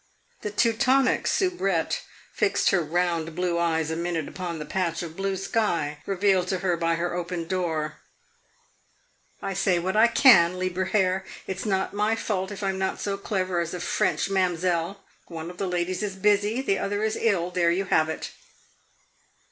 The Teutonic soubrette fixed her round blue eyes a minute upon the patch of blue sky revealed to her by her open door. "I say what I can, lieber Herr. It 's not my fault if I 'm not so clever as a French mamsell. One of the ladies is busy, the other is ill. There you have it."